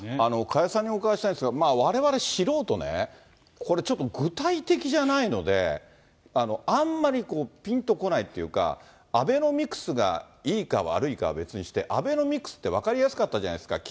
加谷さんにお伺いしたいんですが、われわれ素人ね、これちょっと具体的じゃないので、あんまりぴんと来ないっていうか、アベノミクスがいいか悪いかは別にして、アベノミクスって分かりやすかったじゃないですか。